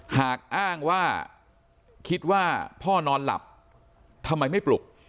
หากอ้างว่าคิดว่าพ่อนอนหลับทำไมไม่ปลุก